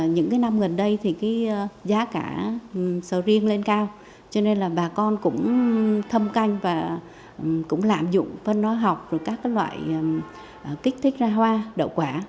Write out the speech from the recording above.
nó cũng làm dụng phân nối học các loại kích thích ra hoa đậu quả